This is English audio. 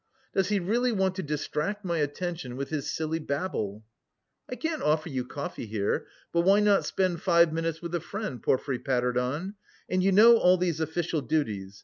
"Does he really want to distract my attention with his silly babble?" "I can't offer you coffee here; but why not spend five minutes with a friend?" Porfiry pattered on, "and you know all these official duties...